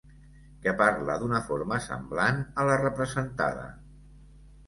Que parla d'una forma semblant a la representada.